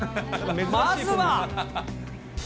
まずは。